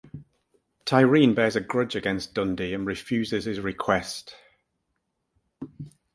Tyreen bears a grudge against Dundee and refuses his request.